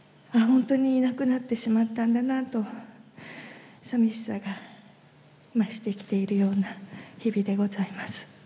本当にいなくなってしまったんだなと、さみしさが増してきているような日々でございます。